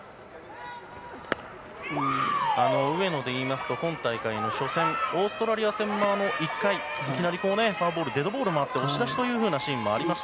上野でいいますと今大会の初戦オーストラリア戦の１回、いきなりフォアボールデッドボールもあって押し出しというシーンもありました。